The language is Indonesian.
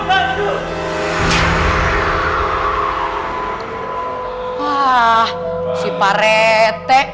wah si pak rete